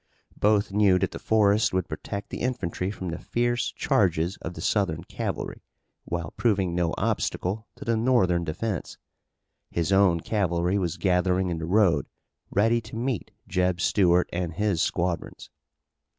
Both knew that the forest would protect the infantry from the fierce charges of the Southern cavalry, while proving no obstacle to the Northern defense. His own cavalry was gathering in the road ready to meet Jeb Stuart and his squadrons.